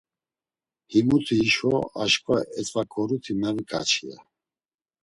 Himuti hişo, aşǩva etzaǩoruti meviǩaçi, ya!